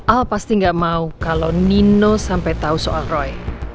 al pasti nggak mau kalau nino sampai tahu soal roy